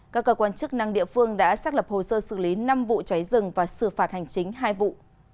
các cơ quan chức năng địa phương đã xác lập hồ sơ xử lý năm vụ cháy rừng và xử phạt hành chính hai vụ